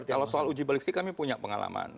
kalau soal uji balistik kami punya pengalaman